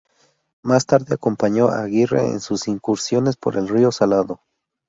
Más tarde, acompañó a Aguirre en sus incursiones por el río Salado.